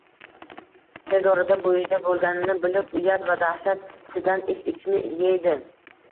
Tez orada bo`yida bo`lganini bilib, uyat va dahshat hissidan ich-etini eydi